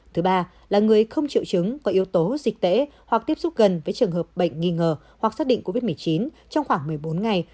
thứ ba là người không triệu chứng có yếu tố dịch tễ hoặc tiếp xúc gần với trường hợp bệnh nghi ngờ hoặc xác định covid một mươi chín trong khoảng một mươi bốn ngày